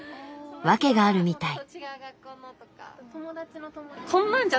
訳があるみたい。